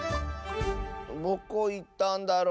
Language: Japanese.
どこいったんだろ。